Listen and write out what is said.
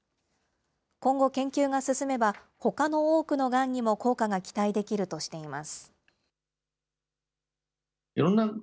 今後、研究が進めば、ほかの多くのがんにも効果が期待できるとしています。